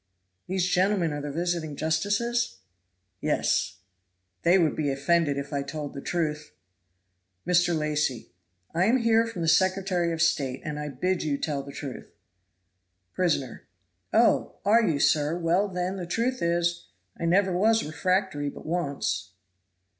"These gentlemen are the visiting justices?" "Yes!" "They would be offended if I told the truth." Mr. Lacy. "I am here from the Secretary of State, and I bid you tell the truth." Prisoner. "Oh! are you, sir; well, then, the truth is, I never was refractory but once."